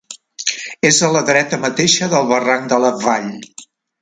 És a la dreta mateixa del barranc de la Vall.